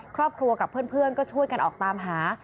ครอบครัวกับเพื่อนก็ช่วยกันออกตามหา